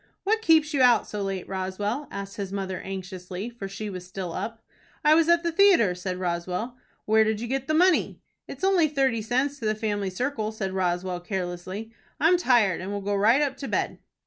"What keeps you out so late, Roswell?" asked his mother, anxiously, for she was still up. "I was at the theatre," said Roswell. "Where did you get the money?" "It's only thirty cents to the family circle," said Roswell, carelessly. "I'm tired, and will go right up to bed."